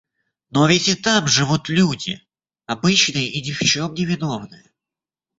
Но ведь и там живут люди! Обычные и ни в чем невиновные...